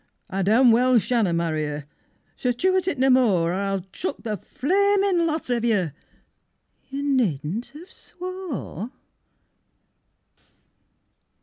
I damn well shanna marry 'er, So chew at it no more, Or I'll chuck the flamin' lot of you You nedn't have swore.